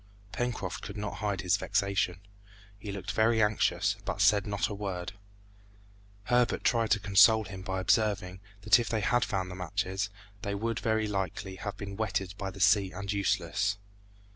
Pencroft could not hide his vexation; he looked very anxious, but said not a word. Herbert tried to console him by observing, that if they had found the matches, they would, very likely, have been wetted by the sea and useless.